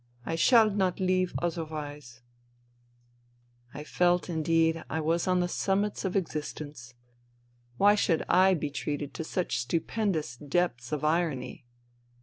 I shall not leave otherwise.' '* 4: iK « <i « I felt indeed I was on the summits of existence. Why should I be treated to such stupendous depths of irony